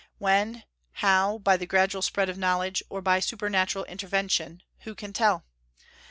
When, how, by the gradual spread of knowledge, or by supernatural intervention, who can tell?